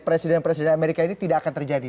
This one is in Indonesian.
presiden presiden amerika ini tidak akan terjadi